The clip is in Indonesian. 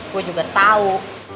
gue juga tau